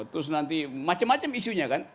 terus nanti macem macem isunya kan